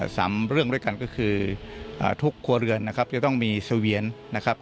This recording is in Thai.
สามเรื่องด้วยกันก็คืออ่าทุกครัวเรือนนะครับจะต้องมีเสวียนนะครับ